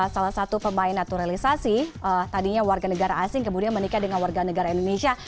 salah satu pemain naturalisasi tadinya warganegara asing kemudian menikah dengan warganegara indonesia